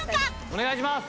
お願いします！